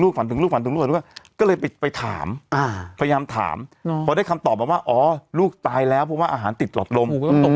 ก็เลยไปถามพยายามถามพอได้คำตอบประมาณว่าอ๋อลูกตายแล้วเพราะอาหารติดหลอดลม